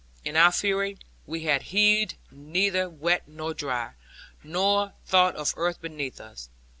In our fury, we had heeded neither wet nor dry; nor thought of earth beneath us.